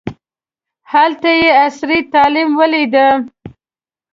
هلته یې عصري تعلیم ولیده.